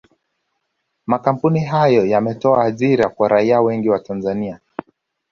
Makampuni hayo yametoa ajira kwa raia wengi wa Tanzania